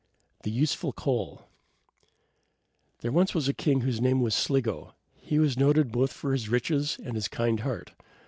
THE USEFUL COAL There was once a king whose name was Sligo. He was noted both for his riches and his kind heart.